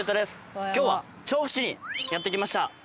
きょうは調布市にやって来ました。